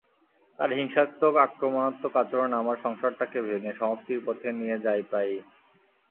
তার হিংসাত্মক, আক্রমণাত্মক আচরণ আমার সংসারটাকে ভেঙে সমাপ্তির পথে নিয়ে যায় প্রায়ই।